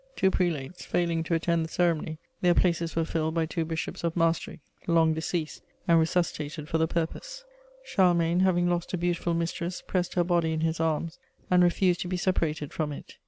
Two prelates failing to attend the ceremony, their places were filled by two Bishops of Maastricht, long deceased, and resuscitated for the purpose. Charlemagne, having lost a beautiful mistress, pressed her body in his arms and refused to be separated from it.